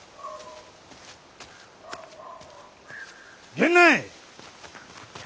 ・源内。